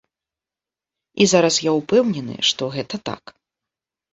І зараз я ўпэўнены, што гэта так.